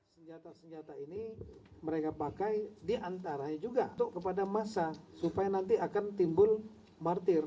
senjata senjata ini mereka pakai diantaranya juga untuk kepada massa supaya nanti akan timbul martir